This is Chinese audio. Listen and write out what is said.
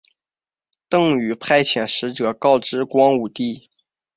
邓禹派遣使者告知光武帝。